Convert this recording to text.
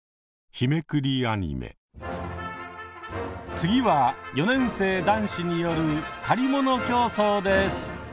次は４年生男子による借り物競走です。